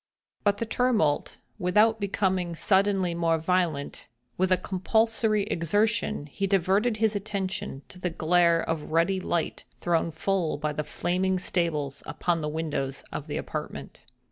But the tumult without becoming suddenly more violent, with a compulsory exertion he diverted his attention to the glare of ruddy light thrown full by the flaming stables upon the windows of the apartment.